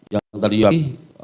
yang tadi yang lagi